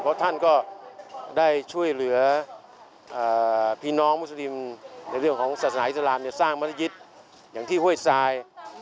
เพราะท่านก็ได้ช่วยเหลือพี่น้องมุสลิมในเรื่องของศาสนาอิสลามสร้างมัธยิตอย่างที่ห้วยทราย